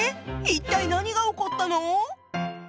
一体何が起こったの？